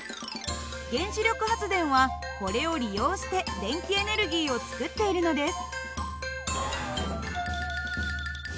原子力発電はこれを利用して電気エネルギーを作っているのです。